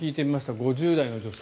５０代の女性。